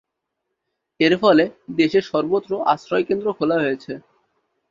এরফলে দেশের সর্বত্র আশ্রয়কেন্দ্র খোলা হয়েছে।